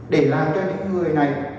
để làm cho những người này